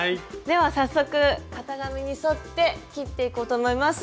では早速型紙に沿って切っていこうと思います。